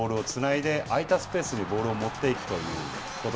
ボールをつないで空いたスペースにボールを持っていくということ